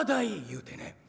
言うてね。